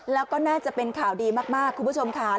แล้วก็น่าจะเป็นข่าวดีมากคุณผู้ชมค่ะ